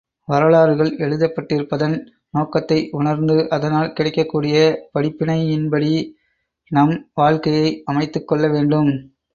வரலாறுகள் எழுதப்பட்டிருப்பதன் நோக்கத்தை உணர்ந்து, அதனால் கிடைக்கக்கூடிய படிப்பினையின்படி நம் வாழ்க்கையை அமைத்துக் கொள்ள வேண்டும்.